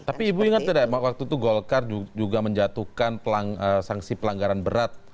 tapi ibu ingat tidak waktu itu golkar juga menjatuhkan sanksi pelanggaran berat